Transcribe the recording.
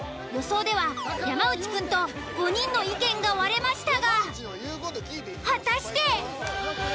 予想では山内くんと５人の意見が割れましたが果たして。